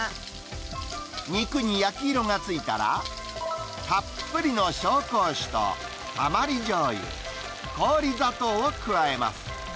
肉に焼き色がついたら、たっぷりの紹興酒とたまりしょうゆ、氷砂糖を加えます。